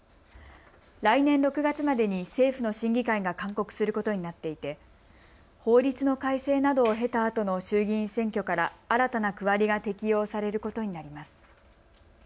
来年６月までに政府の審議会が勧告することになっていて法律の改正などを経たあとの衆議院選挙から新たな区割りが適用されることになります。